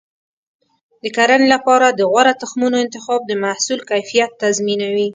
د کرنې لپاره د غوره تخمونو انتخاب د محصول کیفیت تضمینوي.